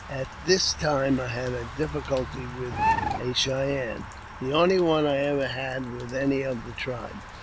At this time I had a difficulty with a Cheyenne, the onl; one I ever had with any of the tribe.